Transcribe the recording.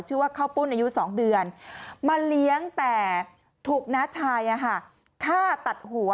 ข้าวปุ้นอายุ๒เดือนมาเลี้ยงแต่ถูกน้าชายฆ่าตัดหัว